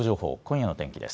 あすの天気です。